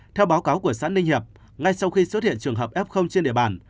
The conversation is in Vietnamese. theo báo cáo của xã ninh hiệp ngay sau khi xuất hiện trường hợp f trên địa bàn